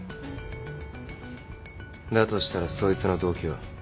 だとしたらそいつの動機は？